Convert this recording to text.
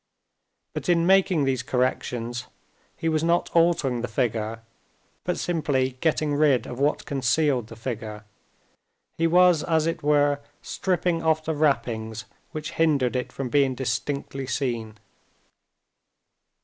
But in making these corrections he was not altering the figure but simply getting rid of what concealed the figure. He was, as it were, stripping off the wrappings which hindered it from being distinctly seen.